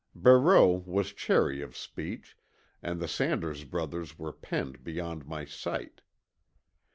Barreau was chary of speech, and the Sanders brothers were penned beyond my sight.